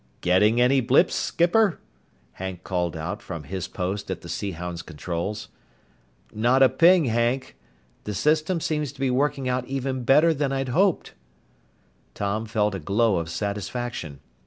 "Getting any blips, skipper?" Hank called out from his post at the Sea Hound's controls. "Not a ping, Hank. The system seems to be working out even better than I'd hoped." Tom felt a glow of satisfaction.